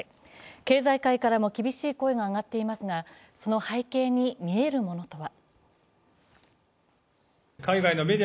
経済界からも厳しい声が上がっていますがその背景に見えるものとは？